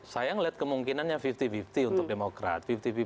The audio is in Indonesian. saya melihat kemungkinannya lima puluh lima puluh untuk demokrat